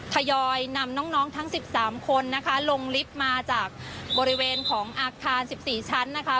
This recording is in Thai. ทยอยนำน้องทั้ง๑๓คนนะคะลงลิฟต์มาจากบริเวณของอาคาร๑๔ชั้นนะคะ